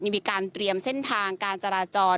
มีการเตรียมเส้นทางการจราจร